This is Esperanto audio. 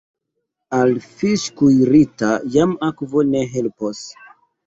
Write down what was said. Al fiŝ’ kuirita jam akvo ne helpos.